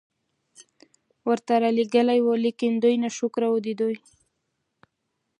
ورته را ليږلي وو، ليکن دوی ناشکره وو، د دوی